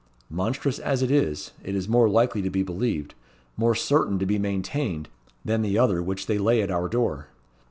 "Monstrous as it is, it is more likely to be believed more certain to be maintained than the other which they lay at our door.